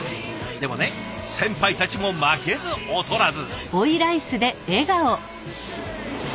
でもね先輩たちも負けず劣らず。